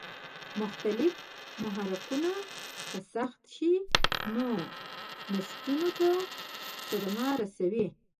مختلف محرکونه که سخت شي نو نسجونو ته صدمه رسوي.